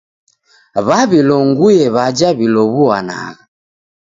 W'awilonguye w'aja w'ilow'uanagha.